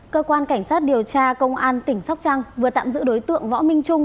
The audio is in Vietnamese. cơ quan cảnh sát điều tra công an tỉnh sóc trăng vừa tạm giữ đối tượng võ minh trung